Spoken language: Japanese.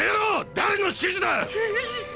誰の指示だ⁉ヒィ！